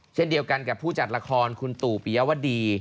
เช่นเดียวกันกับผู้จัดละครคุณตู่ปิยวดี